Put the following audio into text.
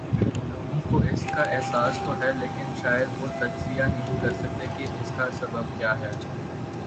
لوگوں کواس کا احساس تو ہے لیکن شاید وہ تجزیہ نہیں کر سکتے کہ اس کا سبب کیا ہے۔